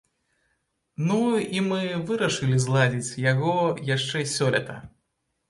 Ну і мы вырашылі зладзіць яго яшчэ сёлета.